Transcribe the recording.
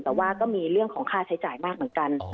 แต่ว่าก็มีเรื่องของค่าใช้จ่ายมากเหมือนกัน